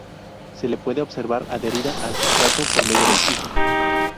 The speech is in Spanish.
Se le puede observar adherida al sustrato por medio del piso.